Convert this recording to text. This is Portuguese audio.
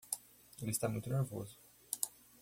Ele está muito nervoso.